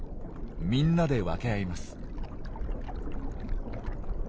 みんなで分け合います。